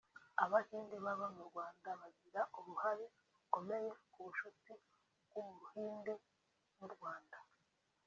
Abahinde baba mu Rwanda bagira uruhare rukomeye ku bucuti bw’u Buhinde n’u Rwanda